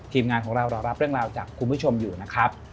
ทีมงานของเราเรารับเรื่องราวจากคุณผู้ชมอยู่นะครับ